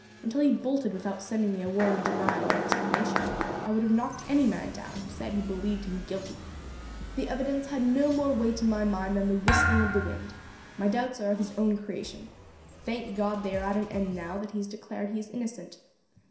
Until he bolted without sending me a word of denial or explanation. I would have knocked any man down who had said he believed him guilty. The evidence had no more weight in my mind than the whistling of the wind; my doubts are of his own creation. Thank God they are at an end now that he has declared he is innocent.